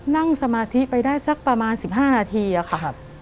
นั่งสมาธิไปได้สักประมาณ๑๕นาทีค่ะ